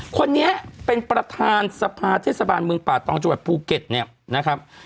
คนนี้เป็นประทานทศบาลจังหวัดปูเก็ตเนี่ยนะครับ